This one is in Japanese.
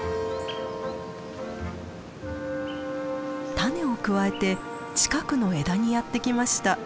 種をくわえて近くの枝にやって来ました。